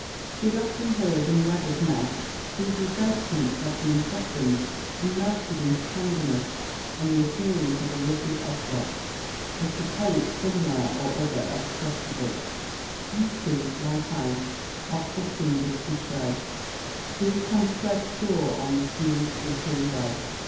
She had often heard and read of men whose resentment had been softened and melted into tenderness on the appearance of a lovely object: as the poet somewhere or other expresses it 'Beauty, like ice, our footing does betray; Who can tread sure on the smooth, slipp'ry way?'